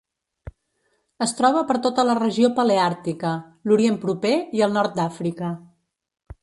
Es troba per tota la regió paleàrtica, l'Orient Proper i el nord d'Àfrica.